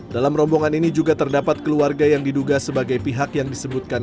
dalam rombongan ini juga terdapat keluarga yang diduga sebagai pihak yang disebutkan